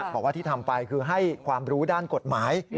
บอกว่าที่ทำไปคือให้ความรู้ด้านกฎหมาย